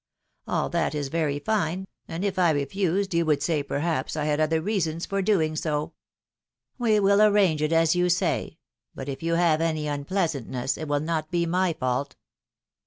All that is very fine, and, if I refused, you would say, perhaps, I had other reasons for so doing. We will arrange it as you say; but if you liave any unpleasantness, it will not be my fault."